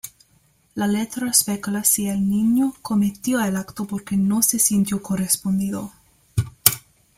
La letra especula si el niño cometió el acto porque no se sintió correspondido.